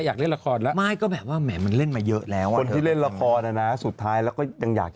อยากเล่นเพราะคนมันเคยคนมันเคยไง